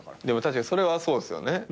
でも確かにそれはそうですよね。